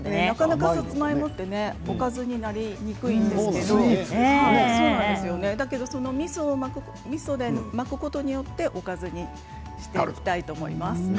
さつまいもっておかずになりにくいんですけどみそで巻くことによっておかずにしていきたいと思います。